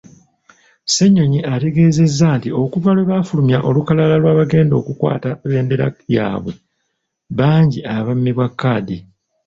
Ssenyonyi ategeezezza nti okuva lwebafulumya olukalala lw'abagenda okukwata bbendera yabwe bangi abammibwa kkaadi.